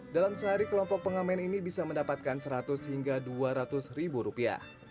dalam sehari kelompok pengamen ini bisa mendapatkan seratus hingga dua ratus ribu rupiah